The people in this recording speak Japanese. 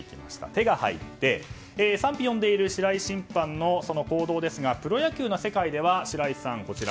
「テ」が入って賛否を読んでいる白井審判ですがプロ野球の世界では白井さん